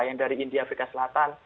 yang dari india afrika selatan